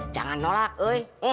jangan nolak eh